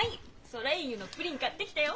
ソレイユのプリン買ってきたよ。